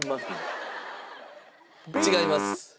違います。